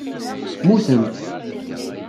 Mutent.